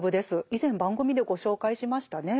以前番組でご紹介しましたね。